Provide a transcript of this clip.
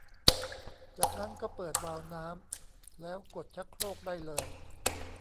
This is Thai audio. จากนั้นก็เปิดวาล์วน้ำแล้วกดชักโครกได้เลย